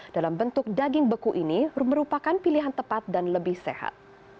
dalam bentuk daging beku ini merupakan pilihan tepat dan lebih sehat